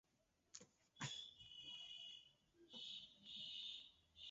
আব্দুর রশীদ সরকার জাতীয় পার্টির প্রেসিডিয়াম সদস্য ও গাইবান্ধা জেলা সভাপতি ছিলেন।